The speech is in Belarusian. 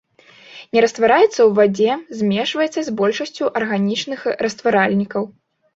Не раствараецца ў вадзе, змешваецца з большасцю арганічных растваральнікаў.